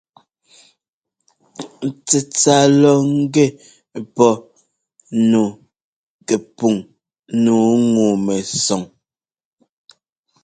Tsɛtsa lɔ ŋgɛ pɔ nu pɛpuŋ nǔu ŋu-mɛsɔŋ.